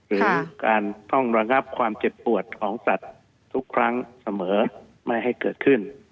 หรือการต้องระงับความเจ็บปวดของสัตว์ทุกครั้งเสมอไม่ให้เกิดขึ้น